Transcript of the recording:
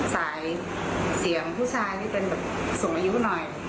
สายเสียงผู้ชายนี่เป็นแบบสูงอายุหน่อย